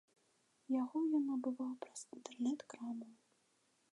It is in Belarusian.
Яго ён набываў праз інтэрнэт-краму.